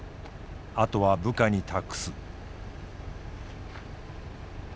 あとは部下に託す。